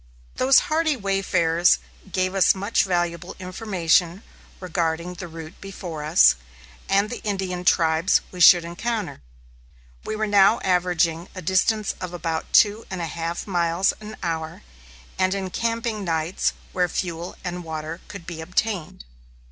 Those hardy wayfarers gave us much valuable information regarding the route before us, and the Indian tribes we should encounter. We were now averaging a distance of about two and a half miles an hour, and encamping nights where fuel and water could be obtained.